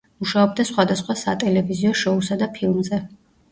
მუშაობდა სხვადასხვა სატელევიზიო შოუსა და ფილმზე.